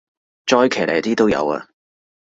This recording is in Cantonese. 再騎呢啲都有啊